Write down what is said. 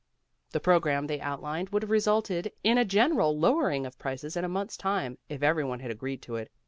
The program they outlined would have resulted in a general lowering of prices in a month's time if every one had agreed to it.